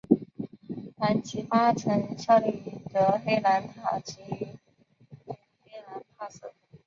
兰吉巴曾效力于德黑兰塔吉于德黑兰帕斯。